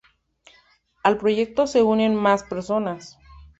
Al proyecto se unen más personas.